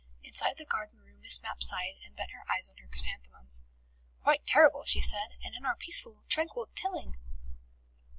Inside the garden room Miss Mapp sighed, and bent her eyes on her chrysanthemums. "Quite terrible!" she said. "And in our peaceful, tranquil Tilling!"